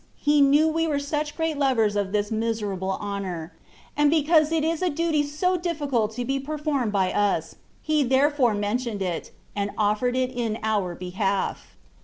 He knew we were such great lovers of this miserable honour ; and because it is a duty so difficult to be per formed by us. He therefore mentioned it, and ofiFered it in our behalf.